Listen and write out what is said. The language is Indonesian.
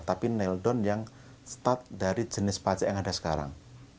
tapi nail down yang start dari jenis pajak yang ada sekarang